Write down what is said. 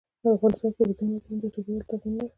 افغانستان کې اوبزین معدنونه د چاپېریال د تغیر نښه ده.